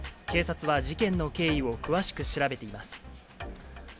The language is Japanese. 警察は事件の経緯を詳しく調べています。